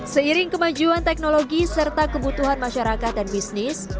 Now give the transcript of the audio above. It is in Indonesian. seiring kemajuan teknologi serta kebutuhan masyarakat dan bisnis